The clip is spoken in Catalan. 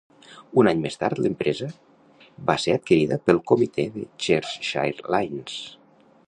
Un any més tard, l'empresa va ser adquirida pel comitè de Cheshire Lines.